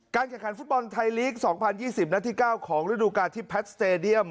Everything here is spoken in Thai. การแข่งขันฟุตบอลไทยลีกส์สองพันยี่สิบนัดที่เก้าของฤดูกาที่แพทส์สเตรเดียม